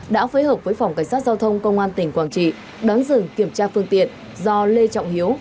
đã phối hợp với phòng cảnh sát giao thông công an tỉnh quảng trị đón dừng kiểm tra phương tiện do lê trọng hiếu